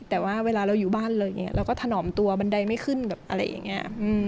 แต่ว่าเวลาเราอยู่บ้านเลยเราก็ถนอมตัวบันไดไม่ขึ้นอะไรอย่างนี้